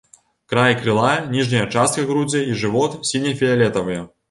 Край крыла, ніжняя частка грудзей і жывот сіне-фіялетавыя.